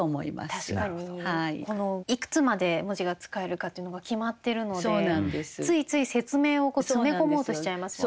確かにいくつまで文字が使えるかというのが決まってるのでついつい説明を詰め込もうとしちゃいますもんね。